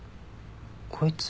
こいつ。